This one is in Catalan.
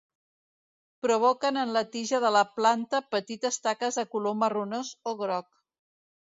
Provoquen en la tija de la planta petites taques de color marronós o groc.